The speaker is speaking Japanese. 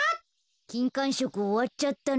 きんかんしょくおわっちゃったね。